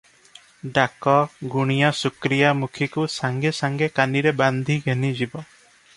ଡାକ, ଗୁଣିଆ ଶୁକ୍ରିଆ ମୁଖୀକୁ, ସାଙ୍ଗେ ସାଙ୍ଗେ କାନିରେ ବାନ୍ଧି ଘେନିଯିବ ।